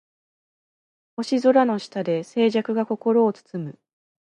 星空の下で静寂が心を包む